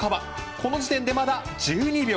この時点でまだ１２秒。